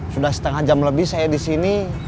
sudah setengah jam lebih saya di sini